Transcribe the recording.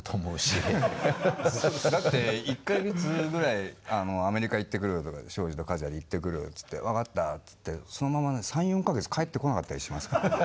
だって１か月ぐらいアメリカ行ってくるとか昭次と和也で行ってくるっつって分かったっつってそのまま３４か月帰ってこなかったりしますから。